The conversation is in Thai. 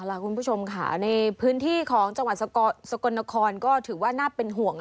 อันนี้พื้นที่ของจังหวัดสกลนครถือว่าน่าเป็นห่วง